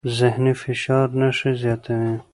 ذهني فشار نښې زیاتوي.